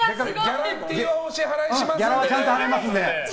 ギャランティーはお支払いしますので。